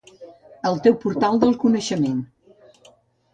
El teu portal del coneixement